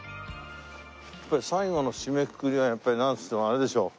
最後の締めくくりはやっぱりなんつってもあれでしょ。